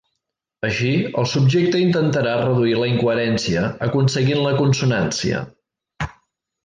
Així el subjecte intentarà reduir la incoherència aconseguint la consonància.